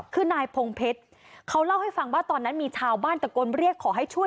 คือนายพงเพชรเขาเล่าให้ฟังว่าตอนนั้นมีชาวบ้านตะโกนเรียกขอให้ช่วย